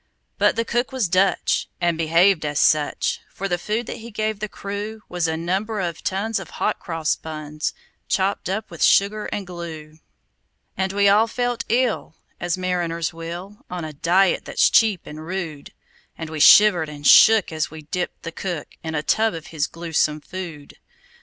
But the cook was Dutch, and behaved as such; For the food that he gave the crew Was a number of tons of hot cross buns, Chopped up with sugar and glue. And we all felt ill as mariners will, On a diet that's cheap and rude; And we shivered and shook as we dipped the cook In a tub of his gluesome food.